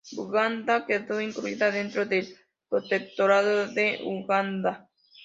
Buganda quedó incluida dentro del protectorado de Uganda.